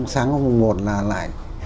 sáng hôm một là lại